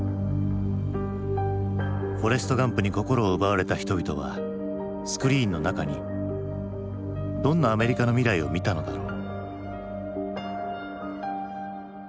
「フォレスト・ガンプ」に心を奪われた人々はスクリーンの中にどんなアメリカの未来を見たのだろう。